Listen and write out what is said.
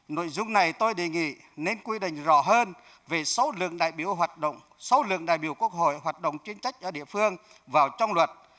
nội dung này tôi đề nghị nên quy định rõ hơn về số lượng đại biểu quốc hội hoạt động chuyên trách ở địa phương vào trong luật